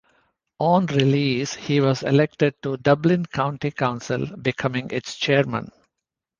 On release, he was elected to Dublin County Council, becoming its chairman.